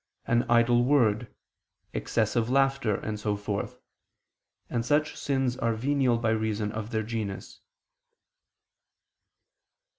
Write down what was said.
an idle word, excessive laughter, and so forth: and such sins are venial by reason of their genus.